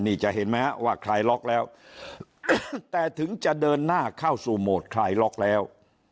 นี่จะเห็นไหมฮะว่าคลายล็อกแล้วแต่ถึงจะเดินหน้าเข้าสู่โหมดคลายล็อกแล้ว